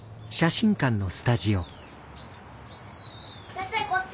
先生こっち！